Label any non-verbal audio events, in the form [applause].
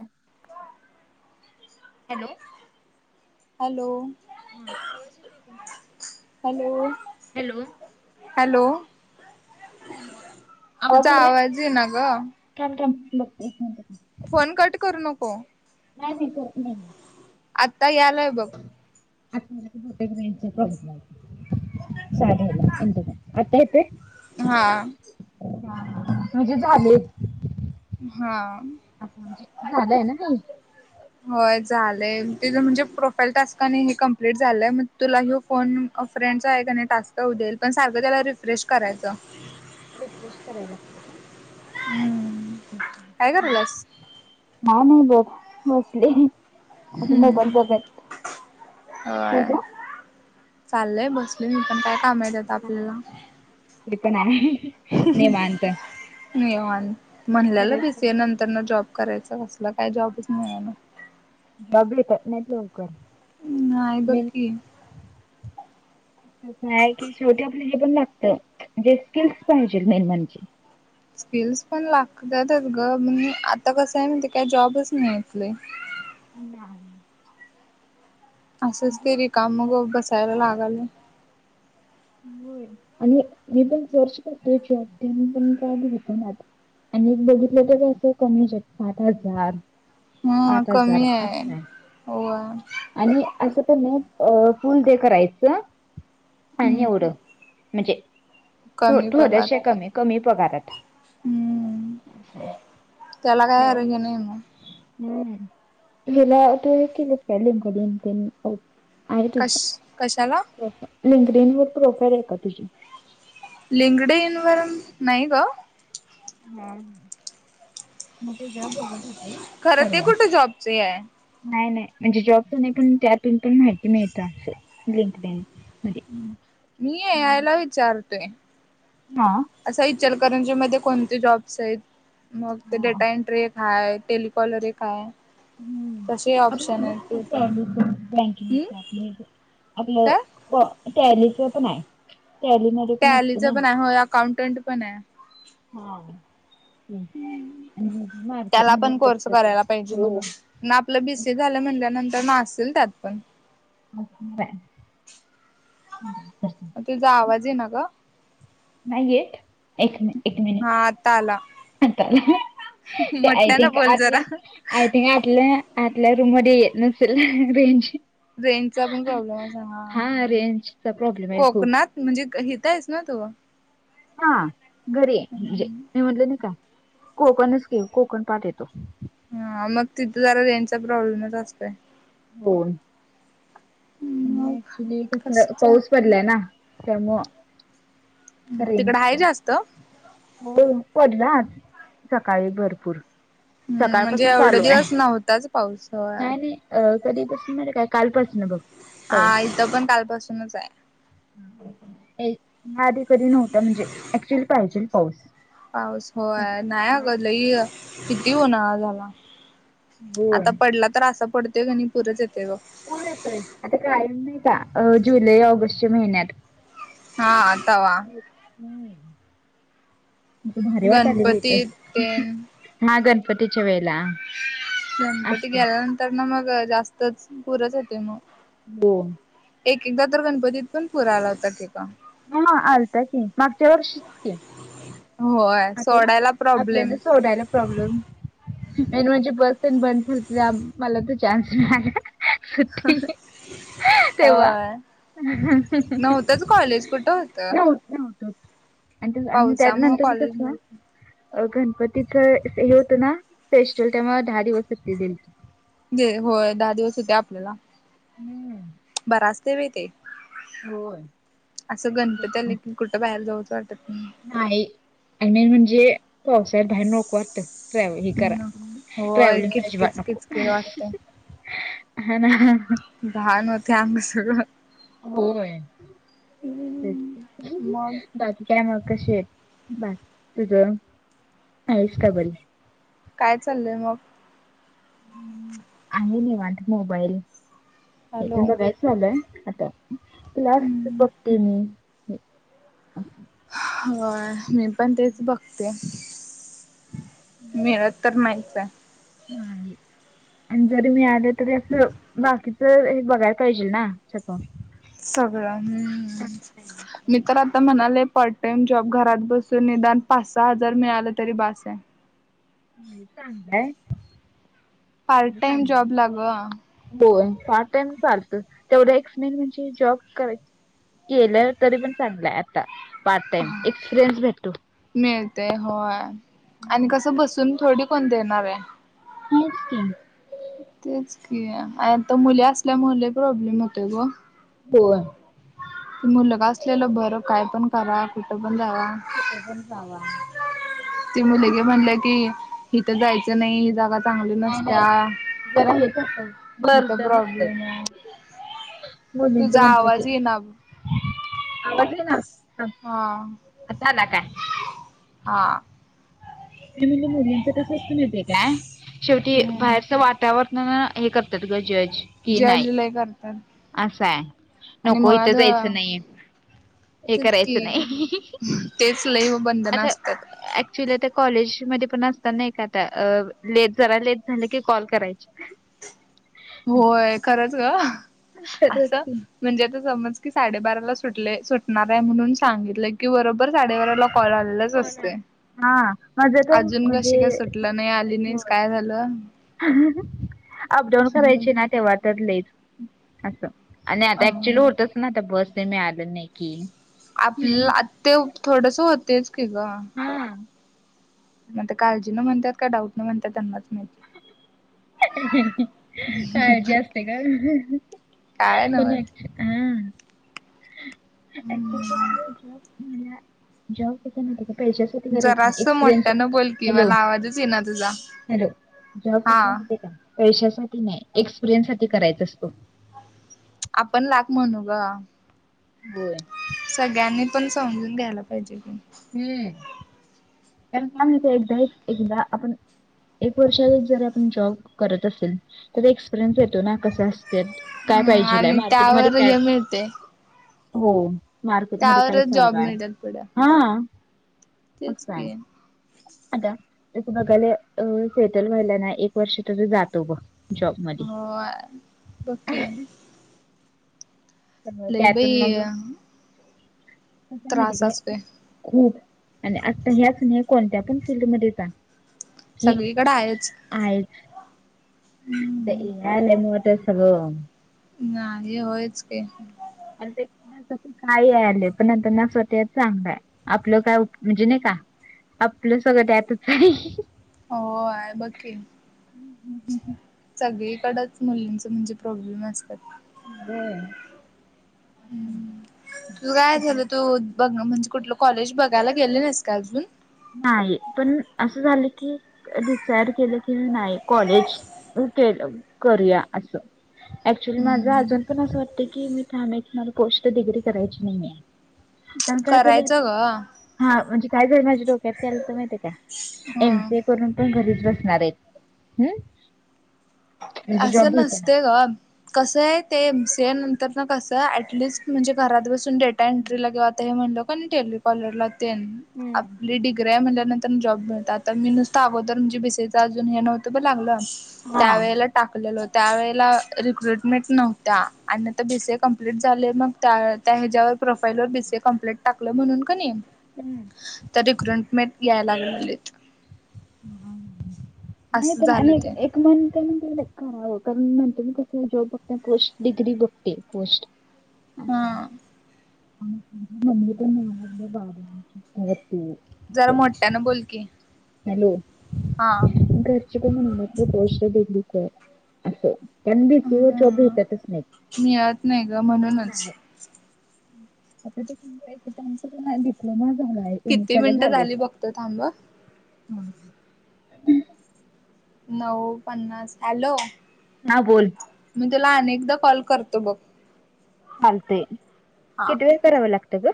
हम hello. Hello. ह आवाज येतोय का.? Hello hello. हॅलो हॅलो आवाज तुझा यालाय. ये ना ग थांब- थांब बघते थांब. फोन कट करू नको. नाही-नाही कठ नाही. आता यायलाय बघ. [inaudible] आता येतोय. हा. हा हा म्हणजे झाले. हा. असं म्हणजे झालंय ना ताई. होय झालंय. तीझ म्हणजे प्रोफाईल टास्क आणि हे कमप्लीट झालंय मग तुला ह्यो फोन. फ्रेंडचा आहे का नाही टास्क. उद्या येणार सारखं तिला रिफ्रेश करायचं. रिफ्रेश करायला लागत का. हम्म काय नाही बग बसले. अ मोबाईल हम्म बघत तुझ. चालय बसलोय मी पण. काय काम हाईत आता आपल्याला. ते पण आहे. निवांत. निवांत म्हणलेल खरंच बी की. सीए नंतर न जॉब. करायच कसलं काय जॉबच मिळाना. डबली तर नकर नाही बघ [unintelligible] की. कस आहे की छोट्या. पण लागत म्हणे स्किल् पाहिजे मेन म्हणजे. स्किल्स पण लागतात. ग म्हनून आता कसं आहे. म्हायती काय जॉबच नाहीेत आपले. ना. असंच ते रिकाम मग बसायला लागाल. हो आणि मी पण फोर्स करतेच जॉब पण काय भेटणात. [unintelligible] हा आठ हजार कमी आहे. असा होय आणि असं पण नाही. अ फुल डे करायचं आणि हम्म एवढं म्हणजे कमी पगार थोड्याशा कमी कमी पगारात हम्म त्याला काय अर्थ नाही मग. [unintelligible] आहे तुझी कश कशाला लिंकडीण वर प्रोफाईल आहे का तुझी? लींकडीन नाही ग. हम्म. मी ते जॉब बघत होते खरं ते परवा. कुठे जॉबच हे आहे नाय नाय. म्हणजे जॉबच नाही पण त्यातून पण माहिती मिळत अस, लिंकणे. मी ये यायला विचारतोय. हा. असा इचलकरंजी कोणते जॉब्से मग ते हा डेटा एंट्री हाय टेलिकॉलरे एक हाय. हम्म. तसे ऑप्शन आहेत आपलं तिथं हम्म काय टॅलीच पण आहे. टॅली मध्ये पण असते टॅलीच ना पणे होय अकाउंटंट पणे. हा हम्म. त्याला पण कोर्स करायला पाहिजे हो म्हणून आपलं बीसी झालं म्हणल्यानंतर त्याना असेल त्यात पण. हर [unintelligible] ह [inaudible] तुझा आवाज येईना ग. नाही येत एक मी एक मिनिट. हा आता आला आता ते आय मोठ्यान थिंक बोल जरा आतल्या आय थिंक आतल्या. अतल्या रून मध्ये नसेल रेज. रेजचा पण प्रॉब्लेम आसा हा रेंजचा प्रॉब्लेम आहे खूप. कोकणात म्हणजे एकतेस ना तू. हा घरीये म्हणजे मी म्हणल नाही का? कोकणच की कोकण पाठे तो. हा मग तिथं जरा रेण्याचा प्रॉब्लेमच असतोय. होय. आणि मग ऍक्चुली कस कसच आहे पाऊस पडलाय ना त्यामुळ. तिकड आहे जास्त. हो पडलाच सकाळी भरपूर. हम्म म्हणजे सकाळपासून एवढे चालूये दिवस नव्हताच पाऊस होय नाही नाही अ कधी पसून माहीते काय कालपासन बघ. हा पाऊस. इथं पण कालपासूनचे. ए- आधी कधी नव्हता म्हणजे ऍक्च्युअली पाहिजेल. पाऊस. पाऊस होय नाही अग लही किती उन्हाळा झाला. होय. आता पडला तर असा पडतोय कणी पुरच येत पूर येतय, आता कायम नाही का जुलै ऑगस्टच्या महिन्यात. हा तावा. हम्म. भारी वाटलेत ईथ. गणपती तेन हा गणपतीच्या वेळेत. गणपती गेल्यानंतर ना मग जास्तच पुरच येतोय मग. [unintelligible] एक एकदा तर गणपतीत पण पुर आला होता तेका. ह आलता की मागच्या वर्षीच की. होय आठोला सोडायला प्रॉब्लेम आपल्याला सोडायला प्रॉब्लेम मेन म्हणजे बस [unintelligible] मला त चान्स मीळाला. सुट्टी तेव्हा. होय नव्हतंच कॉलेज कुठं होतं नवत होत. आणि आणि पावसामुळं त्यानंतरच कॉलेज कस. नव्हतं अ गणपतीचं हे होतं ना स्पेशल तेव्हा दहा दिवस सुट्टी दिल जे हो दहा दिवस होते आपल्याला. हम्म. बरा अस्तय व्हय ते. असं गणपती आलं की कुठ बाहेर जाऊ नाही मेन म्हणजे पावसाळ्यात बाहेर नको वाटत. ट्रॅवल ह करा नाही. होय ट्रॅव्हलिंग अजिबात किचकिच नको. किचकिच वाटतय [unintelligible] त्या म सगळ. होय ते मग बाकी काय माग. क शे आहे बा तुझ आयुष काय बोलले. काय चाललंय मग. आहे नाही वाट मोबाईल हेथून हॅलो. बघायच झालंय आता. प्लास बघते मी. होय मी पण तेच बघते. मिळत तर नाहीच आहे. नाही आणि जरी मी आले तरी असं बाकी तर हे बघायला पाहिजे ना. सगळं हम्म मी तर आता म्हणाले पट पार्टटाइम जॉब घरात बसून निदान पाच सहा हजार मिळालं तरी बास आहे. [unintelligible] पार्ट टाइम जॉब ला ग पार्ट टाइम चालत तेवढा एक्समेन म्हणजे जॉब कराय केलं तरी पण चांगलंय आता. पार्ट टाइम एक्सपिरियन्स भेटतो. मिळते होय आणि कस बसून थोडी कोन देनार आहे. आहेच की. तेच की आणि आता मुली असल्यामुळे लय प्रॉब्लेम होतेय ग. हो. मुलगा असलेलं बरं काय पण करा कुठं पण जावा कुठपण जावा. ती मुलगी म्हणल की इथं जायचं नाही ही जागा चांगल्या नाही नसत्या नाही जरा हेच असतं इथ बर्दन असतं प्रॉब्लेम आहे. मुलींच तुझा म्हटलं की आवाज ये ना आवाज येना. हा. आता आला काय. हा. मी म्हणलं मुलींच कस असत येते काय शेवटी हम्म बाहेरचं वातावरण ना हे करतात ग ज कि नाही जज लय करतात. असंय आणि नको इथं मुळात जायचं नाही हे तेच की करायचं नाही तेच लय बंधन आता असतात. ऍक्च्युली आत कॉलेज मध्ये पण असतना का आता लेट जरा लेट झालं की कॉल करायची [unintelligible] होय खरच ग खरंच असं की म्हणजे आता समज साडेबाराला सुटले सुटणार आहे म्हणून सांगितलं की बरोबर बर साडेबारा ला कॉल आलेलाच असतोय. हा माझ तर अजून म्हणजे कशी काय सुटलं नाही आली हो नाहीस काय झालं अपडाऊन करायची ना तेव्हा तर अस आणि अ आता ऍक्च्युली होतच ना आता बस मी आलं नाही की आपलं आ ते थोडस होतेच की ग. हा मग ते काळजीन म्हणतात का डाऊट न म्हणतात त्यांनाच माहीत. काळजी असते का? काय नव्हच हा. [unintelligible] पैशसाठी करायचं जरास एक्सपरयन्स मोठ्यानं बोल की हॅलो मला आवाजच येईना तुझा हॅलो. जॉब कस हा नाही का पैशासाठी नाही एक्सपिरियन्स साठी करायचा असतो. आपण लाख म्हणू गं होय. सगळ्यांनी पण समजून घ्यायला पाहिजे. त्याला काय माहित एकदा एकदा आपण एक वर्ष जर जॉब करत असेल तर एक्सपिरियन्स येतो ना कस असतं काय हम्म पाहिजेय आणि मार्केटमध्ये त्यावर काय हे मिळते हो मार्केट मध्ये काय त्यावरच जॉब चालु आहे मिळतात पुढं हा तेच असं आहे की आता तू बघाले अ सेटल व्हायला ना एक वर्ष तुझं जातो बघ. जॉब मध्ये हो बकी लई बाई [unintelligible] त्रास असतोय आणि आता ह्याच नाही कोणत्या पण फील्ड मध्ये जा हे सगळीकडे आहेच ऐक. ए. हम्म आय आलय त्यामुळं सगळं नाही होयच की. आणि ते पण काही आले पण नंतरन असं वाटायचं चांगलं आहे आपलं काय म्हणजे नाही का आपलं सगळं त्यातच आहे. होय बघ की सगळीकडच मुलींच प्रॉब्लेम असतात. व्हय. [unintelligible] बघ म्हणजे कुठलं कॉलेज बघायला गेली नाहीस का अजून? नाही पण असं झालं की डिसायड केलं की नाही कॉलेज केलं करूया आस ऍक्च्युली माझ हम्म आजून पण अस वाटतं की मी ठाम आहे माझं पोस्ट डिग्री करायची नाहीये. पण काय झालं करायचं आता ग हा म्हणजे काय झालं माझे डोक्यात डोक्यात काय आलंत माहिती आहे काय एम. हम्म सी. ए करून पण घरीच बसणार आहे हम्. म्हणजे जॉब असं भेटना नसतय गं कसं आहे ते एम. सी. ए नंतर ना कसं ऍटलिस्ट म्हणजे घरात बसून डेटा एंट्रीला किंव्हा आता हे म्हणलो कणी टेलिकॉलरला तेन हम्म आपली डिग्री हाय म्हणल्यावर नंतरन जॉब मिळतात आता मी नुसतं अगोदर बि. सी. ए च अजून हे नव्हतं बग लागलं हा त्यावेेळेला टाकलेलं होत. त्यावेेळेला रिक्रुटमेंट नव्हत्या आणि नंतर बी. सी. ए कंप्लीट झाले मग त्या ह्याच्यावर प्रोफाईल वर बी. सी. ए कंप्लेट टाकलं म्हणून कणी तरी रिक्रुनमेंट यायला लागलेलीत नाही असं पण झालं आणि ते एक मन्थ नंतर करावं करुन नंतरन कस आहे. जॉब बघताना पोस्ट डीग्री बघते पोस्ट अच्छा हा आमची मम्मी पण म्हणाल्या बाबा जरा मोठ्यानं बोल की हॅलो हा शिकून घे म्हणल्यात ते पोस्ट डीग्री कर. कारण बी. सी. ए वर जॉब हा भेटतच नाहीत मिळत नाही ग म्हणूनच आता ज समजा [inaudible] नाही भेटलं ना. किती मिनटं झाली बघतो थांब ह हा नऊ पन्नास हॅलो हा बोल मी तुला अनेकदा कॉल करतो बघ. चालतंय हा. किती वेळ करावं लागत ग?